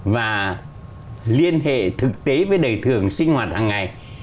và liên hệ thực tế với đời thường sinh hoạt hàng ngày